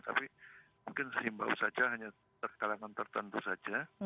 tapi mungkin sehimbau saja hanya terkalahkan tertentu saja